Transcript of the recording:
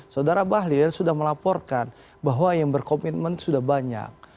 saudara bahlil sudah melaporkan bahwa yang berkomitmen sudah banyak